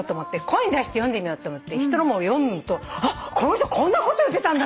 声に出して読んでみようと思って人のも読むとあっこの人こんなこと言ってたんだ！